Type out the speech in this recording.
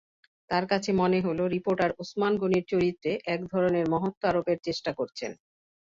তাঁর কাছে মনে হল, রিপোর্টার ওসমান গনির চরিত্রে একধরনের মহত্ত্ব আরোপের চেষ্টা করেছেন।